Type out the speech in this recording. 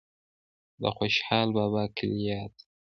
د خوشال بابا کلیات